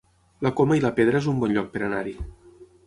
La Coma i la Pedra es un bon lloc per anar-hi